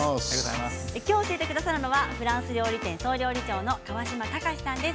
今日、教えてくださるのはフランス料理店総料理長の川島孝さんです。